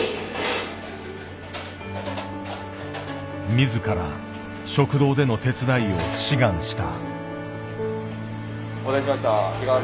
自ら食堂での手伝いを志願した。